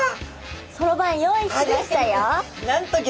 そろばん用意しましたよ。